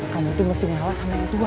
kamu tuh mesti ngeliat sama yang tua